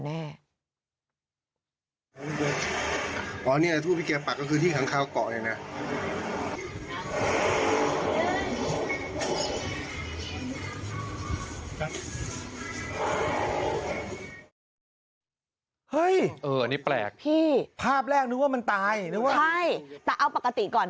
อันนี้แปลกพี่ภาพแรกนึกว่ามันตายนึกว่าใช่แต่เอาปกติก่อน